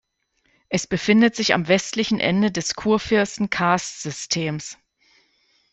Es befindet sich am westlichen Ende des Churfirsten-Karstsystems.